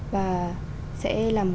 và sẽ hợp với nghề báo